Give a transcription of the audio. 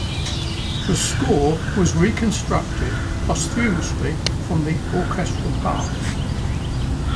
The score was reconstructed posthumously from the orchestral parts.